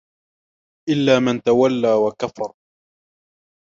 إلا من تولى وكفر